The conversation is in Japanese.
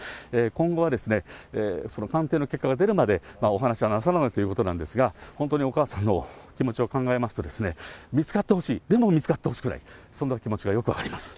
今後はその鑑定の結果が出るまでお話はなさらないということなんですが、本当にお母さんの気持ちを考えますと、見つかってほしい、でも見つかってほしくない、そんな気持ちがよく分かります。